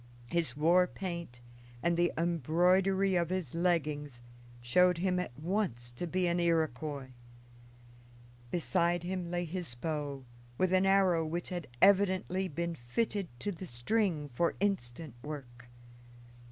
His war paint and the embroidery of his leggings showed him at once to be an Iroquois. Beside him lay his bow, with an arrow which had evidently been fitted to the string for instant work.